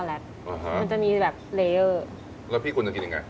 แล้วคุณจะกินยังไง